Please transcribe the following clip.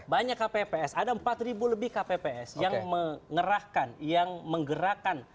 banyak kpps ada empat lebih kpps yang mengerahkan yang menggerakkan